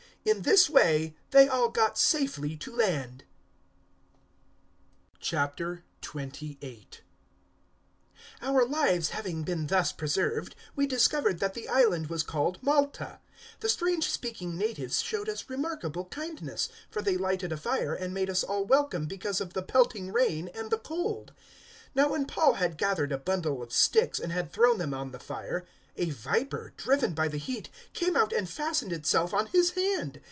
In this way they all got safely to land. 028:001 Our lives having been thus preserved, we discovered that the island was called Malta. 028:002 The strange speaking natives showed us remarkable kindness, for they lighted a fire and made us all welcome because of the pelting rain and the cold. 028:003 Now, when Paul had gathered a bundle of sticks and had thrown them on the fire, a viper, driven by the heat, came out and fastened itself on his hand.